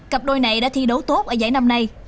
cặp đôi này đã thi đấu tốt ở giải năm nay